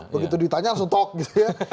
begitu ditanya langsung tok gitu ya